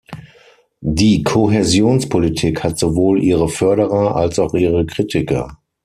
Die Kohäsionspolitik hat sowohl ihre Förderer als auch ihre Kritiker.